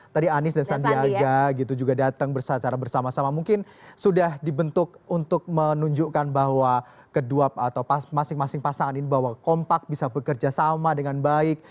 tadi anies dan sandiaga gitu juga datang secara bersama sama mungkin sudah dibentuk untuk menunjukkan bahwa kedua atau masing masing pasangan ini bahwa kompak bisa bekerja sama dengan baik